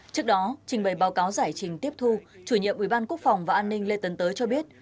trước đó trình bày báo cáo giải trình tiếp thu chủ nhiệm ủy ban quốc phòng và an ninh lê tấn tới cho biết